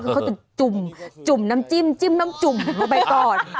เขาจะจุ่มจุ่มน้ำจิ้มจิ้มน้ำจุ่มเข้าไปก่อน